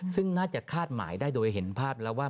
ซึ่งน่าจะคาดหมายได้โดยเห็นภาพแล้วว่า